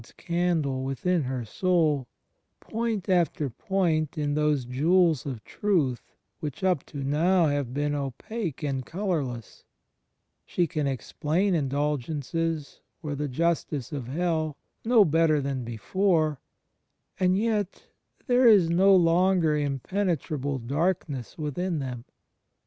s "candle" within her sotd, point after point in those jewels of truth which up 38 THE FRIENDSHIP OF CHRIST to now have been opaque and colorless. She can "ex plain" indulgences, or the justice of Hell, no better than before; and yet there is no longer impenetrable darkness within them.